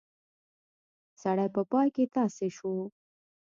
سړی په پای کې تاسی شو.